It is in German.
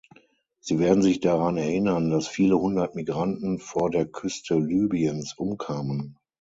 Sie werden sich daran erinnern, dass viele Hundert Migranten vor der Küste Libyens umkamen.